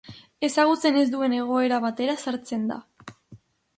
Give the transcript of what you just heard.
Ezagutzen ez duen egoera batera sartzen da.